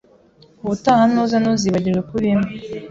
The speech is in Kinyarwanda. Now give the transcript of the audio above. Ubutaha nuza, ntuzibagirwe kubimpa.